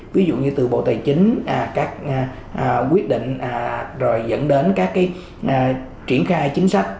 ví dụ như từ bộ tài chính các quyết định rồi dẫn đến các cái triển khai chính sách